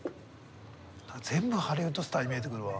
全部ハリウッドスターに見えてくるわ。